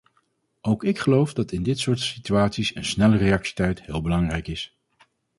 Ook ik geloof dat in dit soort situaties een snelle reactietijd heel belangrijk is.